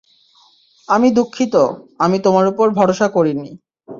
আমি দুঃখিত, আমি তোমার উপর ভরসা করিনি।